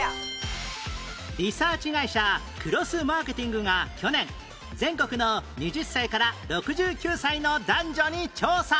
リサーチ会社クロス・マーケティングが去年全国の２０歳から６９歳の男女に調査